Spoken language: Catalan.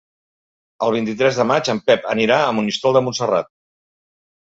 El vint-i-tres de maig en Pep anirà a Monistrol de Montserrat.